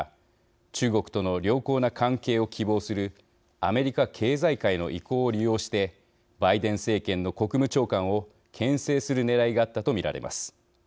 中国との良好な関係を希望するアメリカ経済界の意向を利用してバイデン政権の国務長官をけん制するねらいがあったと見られます。